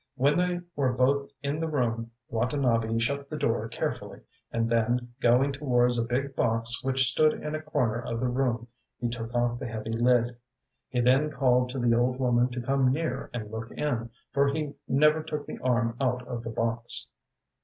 When they were both in the room Watanabe shut the door carefully, and then going towards a big box which stood in a corner of the room, he took off the heavy lid. He then called to the old woman to come near and look in, for he never took the arm out of the box.